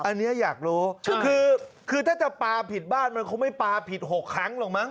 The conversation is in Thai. อันนี้อยากรู้คือถ้าจะปลาผิดบ้านมันคงไม่ปลาผิด๖ครั้งหรอกมั้